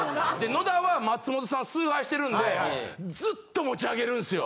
野田は松本さん崇拝してるんでずっと持ち上げるんすよ。